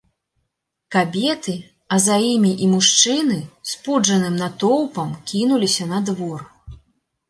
Кабеты, а за імі і мужчыны спуджаным натоўпам кінуліся на двор.